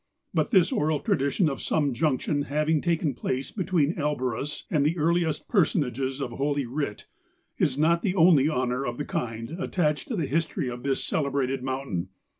But this oral tradition of some junction having taken place between Elborus and the earliest person¬ ages of Holy Writ, is not the only honour of the kind attached to the history of this celebrated mountain.